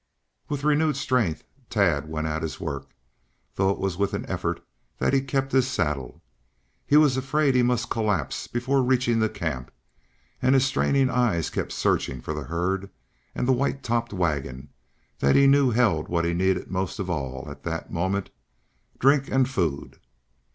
With renewed strength, Tad went at his work, though it was with an effort that he kept his saddle. He was afraid he must collapse before reaching the camp, and his straining eyes kept searching for the herd and the white topped wagon that he knew held what he needed most of all at that moment drink and food!